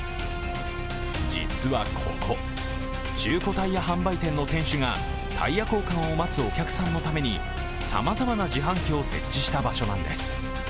実はここ、中古タイヤ販売店の店主がタイヤ交換を待つお客さんのためにさまざまな自販機を設置した場所なんです。